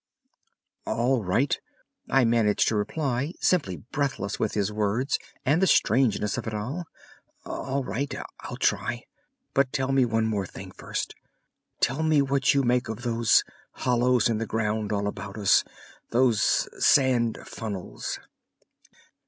"All right," I managed to reply, simply breathless with his words and the strangeness of it all; "all right, I'll try, but tell me one more thing first. Tell me what you make of those hollows in the ground all about us, those sand funnels?"